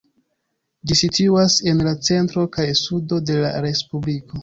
Ĝi situas en la centro kaj sudo de la respubliko.